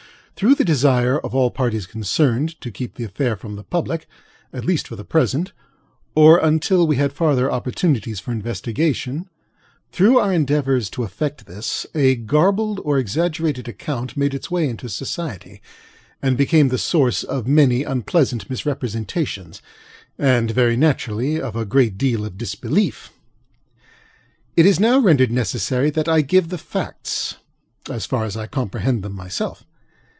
Through the desire of all parties concerned, to keep the affair from the public, at least for the present, or until we had farther opportunities for investigationŌĆöthrough our endeavors to effect thisŌĆöa garbled or exaggerated account made its way into society, and became the source of many unpleasant misrepresentations; and, very naturally, of a great deal of disbelief. It is now rendered necessary that I give the factsŌĆöas far as I comprehend them myself.